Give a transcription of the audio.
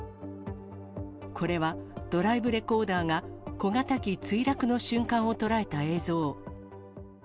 これはドライブレコーダーが小型機墜落の瞬間を捉えた映像。